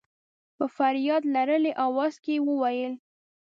په فرياد لړلي اواز کې يې وويل.